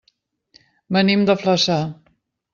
Venim de Flaçà.